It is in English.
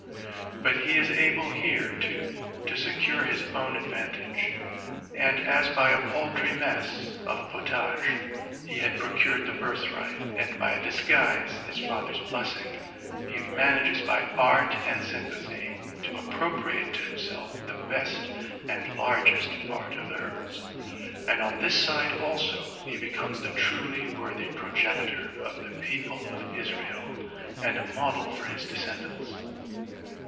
But he is able here, too, to secure his own acdy deithhot and as by a paltry mess (of pottage) he had procured the birthright, and, by a disguise, his father's bless ing, he manages by art and sympathy to appropriate to himself the best and largest part of the herds; and on this side also he becomes the truly worthy progenitor of the peo ple of Israel, and a model for his descendants.